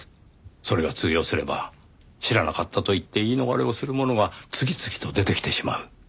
それが通用すれば知らなかったと言って言い逃れをする者が次々と出てきてしまう。